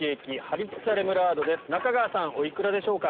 中川さんお幾らでしょうか？